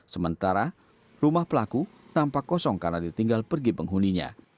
sementara rumah pelaku nampak kosong karena ditinggal pergi penghuninya